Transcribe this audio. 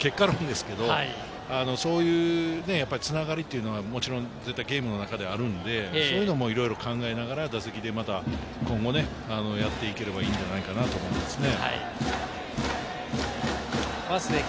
結果論ですけれど、そういうつながりというのは、もちろん絶対ゲームの中にはあるので、そこでもいろいろ考えながら打席で今後やっていければいいんじゃないかなと思いますね。